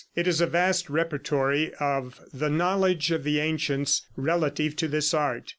It is a vast repertory of the knowledge of the ancients relative to this art.